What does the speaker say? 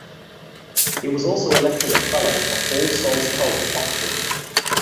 He was also elected a fellow of All Souls College, Oxford.